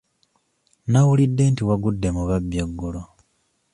Nawulidde nti wagudde mu babbi eggulo.